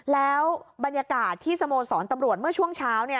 แล้วบรรยากาศที่สโมสรตำรวจเมื่อช่วงเช้า